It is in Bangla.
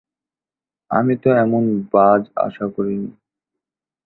আমি তো এমন বায আশা করিনি।